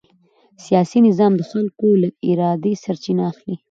سیاسي نظام د خلکو له ارادې سرچینه اخلي